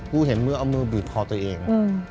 เห็นมือเอามือบีบคอตัวเอง